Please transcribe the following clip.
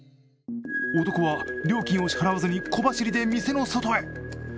男は料金を支払わずに小走りで店の外へ。